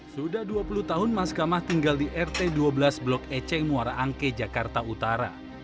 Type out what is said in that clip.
sudah dua puluh tahun mas kamah tinggal di rt dua belas blok eceng muara angke jakarta utara